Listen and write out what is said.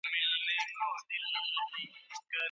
د مسلکي پرمختګ لپاره ډېر ښه فرصتونه شتون لري؟